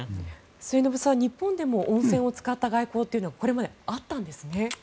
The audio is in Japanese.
末延さん、日本でも温泉を使った外交っていうのがこれまであったんですね。